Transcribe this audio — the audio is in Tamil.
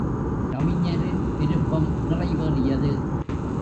கவிஞரின் விருப்பம் நிறைவேறியது.